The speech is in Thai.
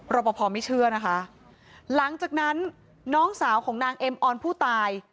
ปภไม่เชื่อนะคะหลังจากนั้นน้องสาวของนางเอ็มออนผู้ตาย